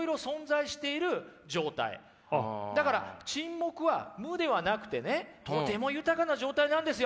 だから沈黙は無ではなくてねとても豊かな状態なんですよ。